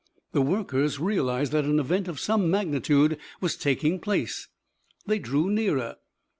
The workers realized that an event of some magnitude was taking place. They drew nearer.